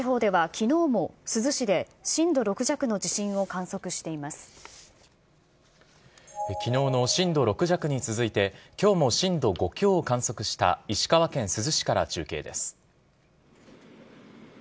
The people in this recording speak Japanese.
きのうの震度６弱に続いて、きょうも震度５強を観測した石川県珠洲市から中継です。